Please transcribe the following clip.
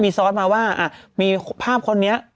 มีซ้อนมาว่ามีภาพคนนี้